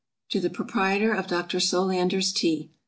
To the Proprietor of Dr. SOLANDER's TEA.